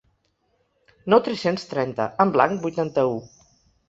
No tres-cents trenta En blanc vuitanta-u.